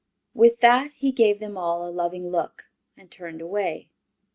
With that he gave them all a loving look and turned away.